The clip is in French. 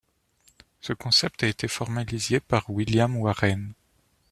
Ce concept a été formalisé par William Warren.